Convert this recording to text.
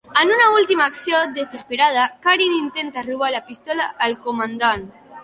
En una última acció desesperada, Karin intenta robar la pistola al comandant.